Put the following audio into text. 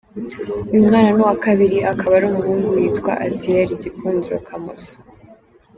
Uyu mwana ni uwa kabiri akaba ari umuhungu, yitwa Azriel Gikundiro Kamoso.